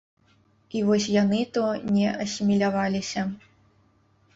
І вось яны то не асіміляваліся.